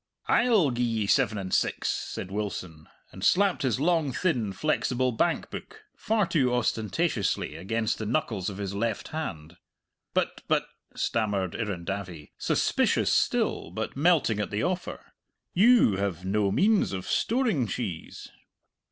"I'll gi'e ye seven and six," said Wilson, and slapped his long thin flexible bank book far too ostentatiously against the knuckles of his left hand. "But but," stammered Irrendavie, suspicious still, but melting at the offer, "you have no means of storing cheese."